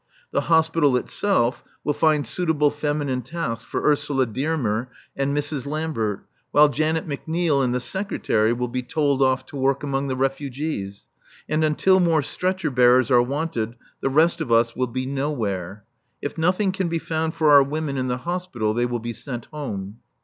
the Hospital itself will find suitable feminine tasks for Ursula Dearmer and Mrs. Lambert; while Janet McNeil and the Secretary will be told off to work among the refugees. And until more stretcher bearers are wanted the rest of us will be nowhere. If nothing can be found for our women in the Hospital they will be sent home.